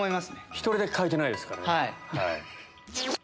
１人だけ変えてないですからね。